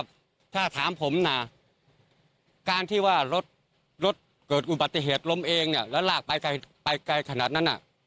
ก็ถ้าถามผมนะรถเกิดอุบัติเหตุล้มเองแล้วลากไปไกลขนาดนั้น